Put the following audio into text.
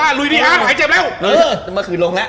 นึกว่ามันคือลงแล้ว